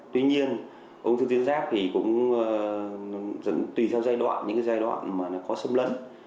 tuy nhiên ưu tuyến giáp thì cũng dẫn tùy theo giai đoạn những giai đoạn mà nó có sâm lẫn